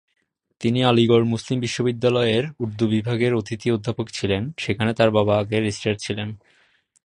তিনি আলিগড় মুসলিম বিশ্ববিদ্যালয়ের উর্দু বিভাগের অতিথি অধ্যাপক ছিলেন, সেখানে তার বাবা আগে রেজিস্ট্রার ছিলেন।